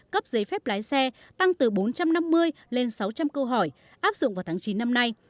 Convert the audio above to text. cấp giấy phép lái xe tăng từ bốn trăm năm mươi lên sáu trăm linh câu hỏi áp dụng vào tháng chín năm nay